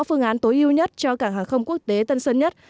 phương án tối ưu nhất cho cảng hàng không quốc tế tân sơn nhất